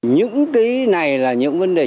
những cái này là những vấn đề